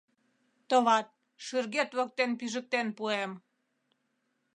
Товат, шӱргет воктен пижыктен пуэм.